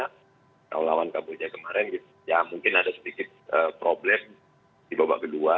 kalau lawan kamboja kemarin ya mungkin ada sedikit problem di babak kedua